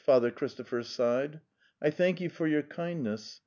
Father Christopher sighed. 'I thank you for your kindness.